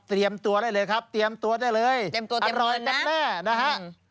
เตรียมตัวได้เลยครับเตรียมตัวได้เลยเตรียมตัวเตรียมเมือนนั้นอร่อยแม่นะฮะ